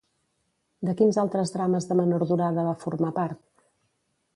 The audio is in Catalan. De quins altres drames de menor durada va formar part?